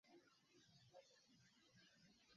uwari ukuriye itsinda ryakoze ubushakashatsi